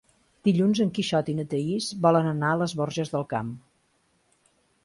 Dilluns en Quixot i na Thaís volen anar a les Borges del Camp.